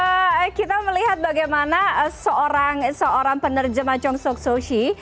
oke kita melihat bagaimana seorang penerjemah chong sok so si